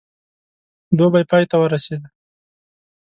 دوبی پای ته ورسېدی.